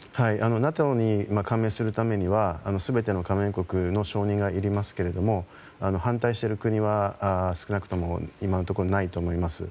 ＮＡＴＯに加盟するためには全ての加盟国の承認がいりますけど反対している国は少なくとも今のところ、ないと思います。